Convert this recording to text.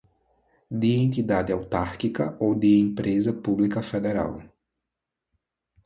de entidade autárquica ou de empresa pública federal